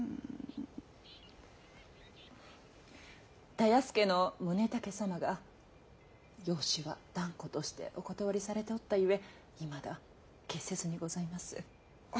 田安家の宗武様が養子は断固としてお断りされておったゆえいまだ決せずにございます。